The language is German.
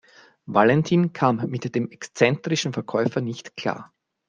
Valentin kam mit dem exzentrischen Verkäufer nicht klar.